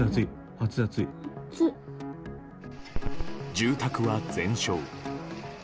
住宅は全焼。